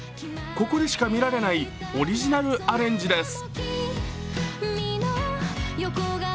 ここでしか見られないオリジナルアレンジです。